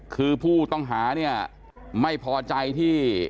คือผู้ต้องหาเนี่ยไม่พอใจที่